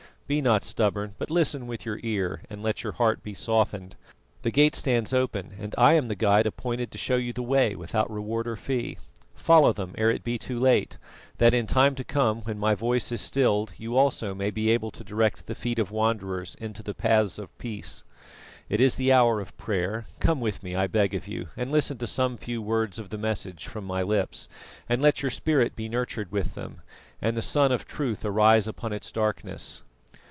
be not stubborn, but listen with your ear, and let your heart be softened. The gate stands open, and I am the guide appointed to show you the way without reward or fee. Follow them ere it be too late, that in time to come when my voice is stilled you also may be able to direct the feet of wanderers into the paths of peace. It is the hour of prayer; come with me, I beg of you, and listen to some few words of the message of my lips, and let your spirit be nurtured with them, and the Sun of Truth arise upon its darkness."